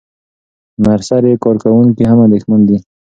نرسري کارکوونکي هم اندېښمن دي.